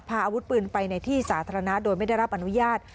พาอาวุธปืนไปในที่สาธารณะโดยไม่ได้รับอนุญาต